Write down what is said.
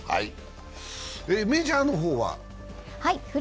メジャーの方は？